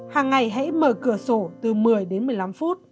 hàng ngày hãy mở cửa sổ từ một mươi đến một mươi năm phút